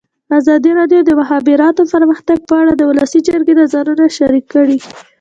ازادي راډیو د د مخابراتو پرمختګ په اړه د ولسي جرګې نظرونه شریک کړي.